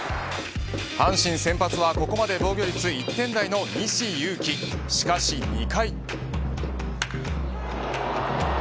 阪神先発はここまで防御率１点台の西勇輝しかし２回。